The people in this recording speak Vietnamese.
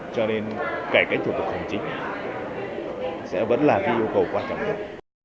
cho nên cải cách thủ tục hành chính sẽ vẫn là cái yêu cầu quan trọng nhất